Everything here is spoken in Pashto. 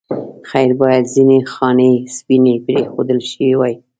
خیر باید ځینې خانې سپینې پرېښودل شوې وای.